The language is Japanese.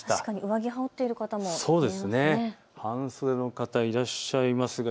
上着を羽織っている方もいますね。